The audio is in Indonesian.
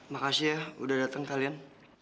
makasih ya udah datang kalian